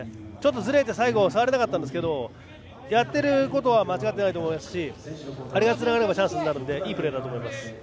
ずれて、最後触りたかったんですけどやりたいことは間違っていませんしあれがつながればチャンスになるのでいいプレーだと思います。